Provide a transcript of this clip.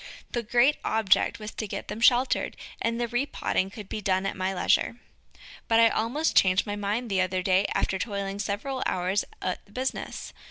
The great object was to get them sheltered, and the repotting could be done at my leisure. But I almost changed my mind the other day after toiling several hours at the business.